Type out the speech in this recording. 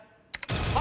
あ！